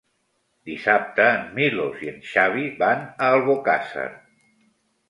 Dissabte en Milos i en Xavi van a Albocàsser.